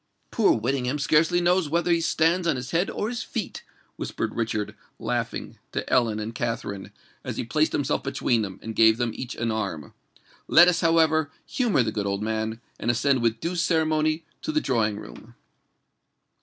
"Poor Whittingham scarcely knows whether he stands on his head or his feet," whispered Richard, laughing, to Ellen and Katharine, as he placed himself between them, and gave them each an arm. "Let us, however, humour the good old man, and ascend with due ceremony to the drawing room."